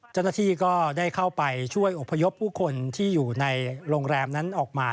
เจ้าหน้าที่ก็ได้เข้าไปช่วยอบพยพผู้คนที่อยู่ในโรงแรมนั้นออกมา